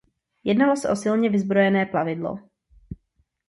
Jednalo se o silně vyzbrojené plavidlo.